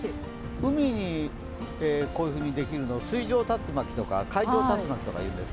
海にこういうふうにできるのは水上竜巻、海上竜巻といいます。